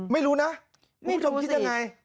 ไม่รู้นะคุณผู้ชมคิดยังไง